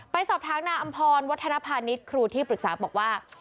ไปสอบถามนางอำพรวัฒนภาณิชย์ครูที่ปรึกษาบอกว่า